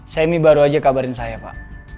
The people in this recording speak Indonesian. semi baru aja kabarin saya pak